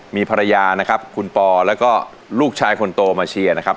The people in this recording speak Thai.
มีภรรยานะครับคุณปอแล้วก็ลูกชายคนโตมาเชียร์นะครับ